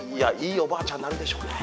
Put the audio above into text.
いいおばあちゃんになるでしょうね。